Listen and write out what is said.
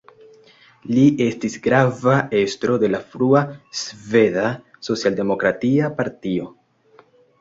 Li estis grava estro de la frua Sveda socialdemokratia partio.